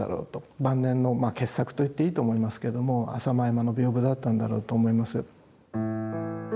晩年のまあ傑作と言っていいと思いますけれども浅間山の屏風だったんだろうと思います。